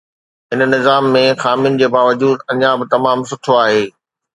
هن نظام ۾ خامين جي باوجود، اڃا به تمام سٺو آهي.